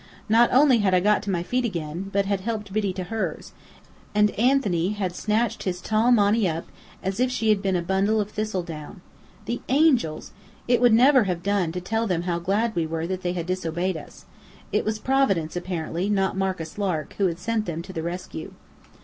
Not only had I got to my feet again, but had helped Biddy to hers, and Anthony had snatched his tall Monny up, as if she had been a bundle of thistle down. The Angels! It would never have done to tell them how glad we were that they had disobeyed us. It was Providence, apparently, not Marcus Lark, who had sent them to the rescue.